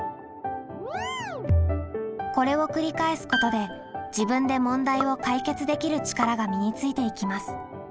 これを繰り返すことで「自分で問題を解決できる力」が身についていきます。